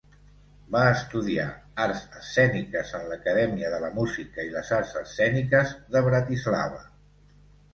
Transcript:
Va estudiar arts escèniques en l'Acadèmia de la Música i les Arts Escèniques de Bratislava.